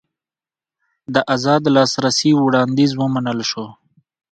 د ازاد لاسرسي وړاندیز ومنل شو.